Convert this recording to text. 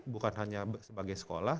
bukan hanya sebagai sekolah